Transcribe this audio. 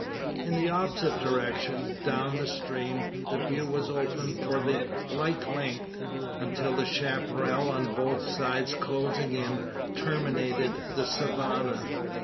In the opposite direction down the stream the view was open for a like length, until the chapparal on both sides closing in, terminated the savanna.